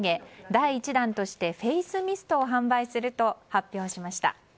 第１弾としてフェイスミストを販売すると発表しました。